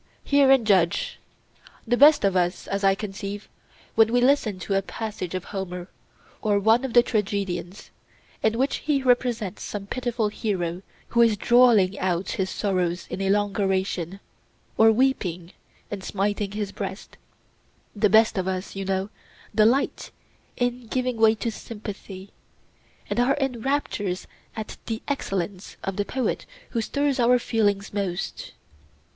Hear and judge: The best of us, as I conceive, when we listen to a passage of Homer, or one of the tragedians, in which he represents some pitiful hero who is drawling out his sorrows in a long oration, or weeping, and smiting his breast—the best of us, you know, delight in giving way to sympathy, and are in raptures at the excellence of the poet who stirs our feelings most.